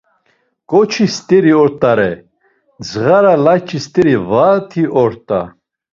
Ǩoçi steri ort̆are, dzağara layç̌i steri vati ort̆a.